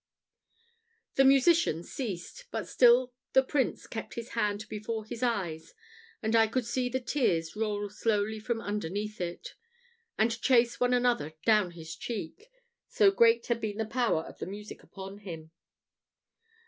The musician ceased, but still the Prince kept his hand before his eyes, and I could see the tears roll slowly from underneath it, and chase one another down his cheek, so great had been the power of the music upon him.